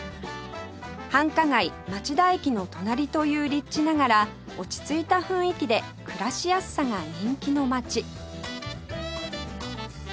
繁華街町田駅の隣という立地ながら落ち着いた雰囲気で暮らしやすさが人気の街